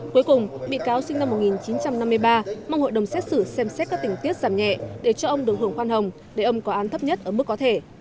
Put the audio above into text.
cuối cùng bị cáo sinh năm một nghìn chín trăm năm mươi ba mong hội đồng xét xử xem xét các tình tiết giảm nhẹ để cho ông được hưởng khoan hồng để ông có án thấp nhất ở mức có thể